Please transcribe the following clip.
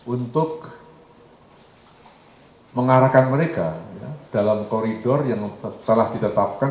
untuk mengarahkan mereka dalam koridor yang telah ditetapkan